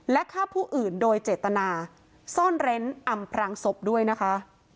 และฆ่าผู้อื่นโดยเจตนาซ่อนเร้นอำพรางศพด้วยนะคะ